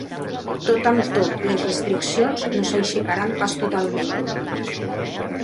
Tot amb tot, les restriccions no s’aixecaran pas totalment.